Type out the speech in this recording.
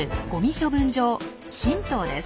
処分場新島です。